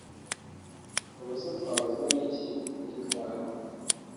ubuse twabuzwa n’iki kugitwara